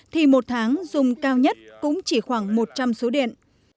thì một tháng dùng cao nhất cũng chỉ khoảng một trăm linh số điện